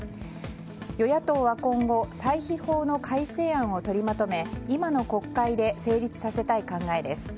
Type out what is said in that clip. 与野党は、今後歳費法の改正案を取りまとめ今の国会で成立させたい考えです。